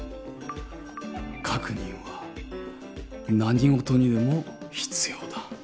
確認は何事にでも必要だ。